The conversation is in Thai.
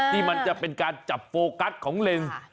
ที่มันจะเป็นการจับโฟกัสของเล็ง